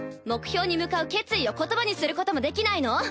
目標に向かう決意を言葉にすることもできないの？